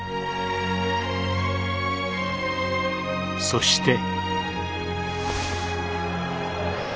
そして。